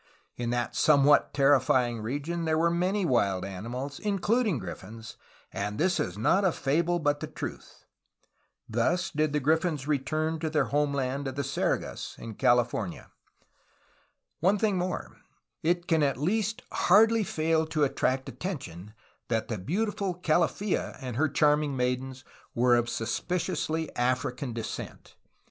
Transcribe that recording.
In that somewhat terrifying region there were many wild ani mals, including griffins, *^and this is not a fable but the truth." Thus did the griffins return to their homeland of the SergaSy in California. One thing more : It can at least hardly fail to attract attention that the beautiful Calaffa and her charming maidens were of suspiciously African descent.